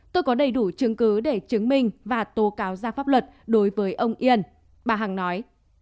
tôi có đầy đủ chứng cứ để chứng minh và tố cáo ra pháp luật đối với ông yên bà hằng nói